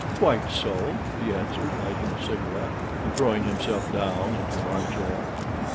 "Quite so," he answered, lighting a cigarette, and throwing himself down into an armchair.